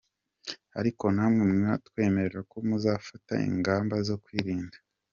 Ariko namwe mutwemerere ko muzafata ingamba zo kwirinda.